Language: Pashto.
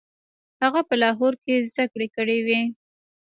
هغه په لاهور کې زده کړې کړې وې.